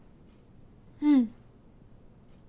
うん。